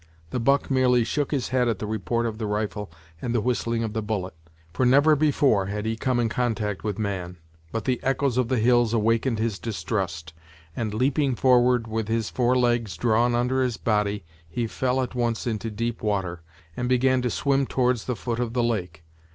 The buck merely shook his head at the report of the rifle and the whistling of the bullet, for never before had he come in contact with man; but the echoes of the hills awakened his distrust, and leaping forward, with his four legs drawn under his body, he fell at once into deep water, and began to swim towards the foot of the lake.